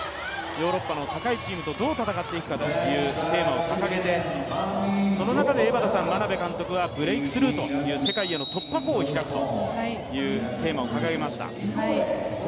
ヨーロッパの高いチームとどう戦っていくかというテーマを掲げてその中で眞鍋監督は「Ｂｒｅａｋｔｈｒｏｕｇｈ」という世界への突破口を開くというテーマを掲げてました。